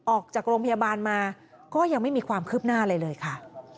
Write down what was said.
ออกจากโรงพยาบาลมาก็ยังไม่มีความคืบหน้าอะไรเลยค่ะ